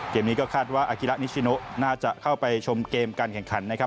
เกมนี้ก็คาดว่าอากิระนิชิโนน่าจะเข้าไปชมเกมการแข่งขันนะครับ